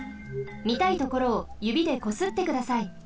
みたいところをゆびでこすってください。